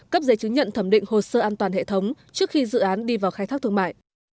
cấp giấy chứng nhận thẩm định hồ sơ an toàn hệ thống trước khi dự án đi vào khai thác thương mại